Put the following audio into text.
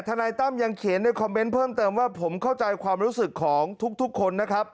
นายตั้มยังเขียนในคอมเมนต์เพิ่มเติมว่าผมเข้าใจความรู้สึกของทุกคนนะครับ